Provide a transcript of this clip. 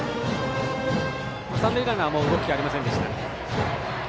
三塁ランナーは動きありませんでした。